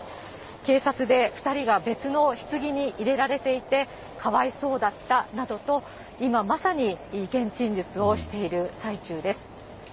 警察で２人が別のひつぎに入れられていて、かわいそうだったなどと、今、まさに意見陳述をしている最中です。